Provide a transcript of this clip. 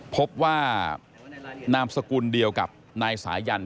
พบว่านามสกุลเดียวกับนายสายัน